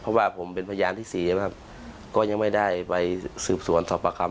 เพราะว่าผมเป็นพยานที่สี่นะครับก็ยังไม่ได้ไปสืบสวนสอบประคำ